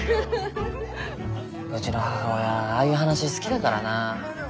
うちの母親ああいう話好きだからな。